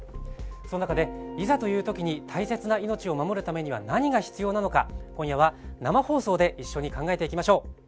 その中でいざという時に大切な命を守るためには何が必要なのか一緒に考えていきましょう。